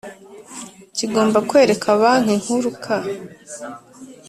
kigomba kwereka Banki Nkuru k